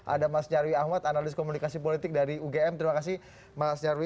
ada mas nyarwi ahmad analis komunikasi politik dari ugm terima kasih mas nyarwi